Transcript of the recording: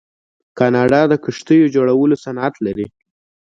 کاناډا د کښتیو جوړولو صنعت لري.